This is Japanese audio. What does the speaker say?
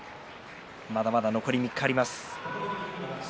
まだ残り３日あります。